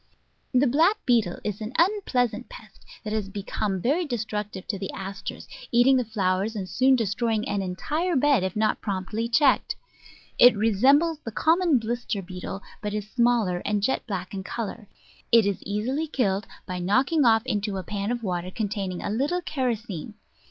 The Black Beetle is an unpleasant pest that has become very destructive to the Asters, eating the flow ers, and soon destroying an entire bed if not promptly checked. It resembles the common blister beetle, but is smaller and jet black in colour; it is easily killed by knocking off into a pan of water containing a little kerosene.